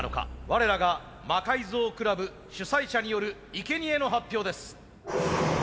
我らが魔改造クラブ主催者によるいけにえの発表です。